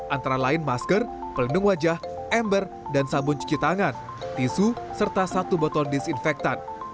antara lain masker pelindung wajah ember dan sabun cuci tangan tisu serta satu botol disinfektan